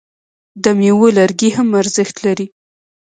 د میوو لرګي هم ارزښت لري.